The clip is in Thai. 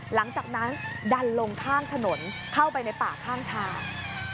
หลังจากนั้นดันลงข้างถนนเข้าไปในป่าข้างทาง